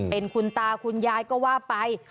เป็นคุณตาคุณยายก็ว่าไป